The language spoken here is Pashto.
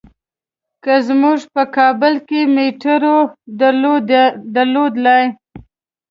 که مونږ په کابل کې مېټرو درلودلای.